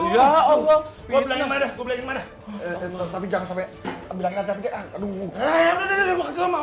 udah pak udah